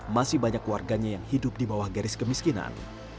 masih banyak warganya yang hidup di bawah garis kemiskinan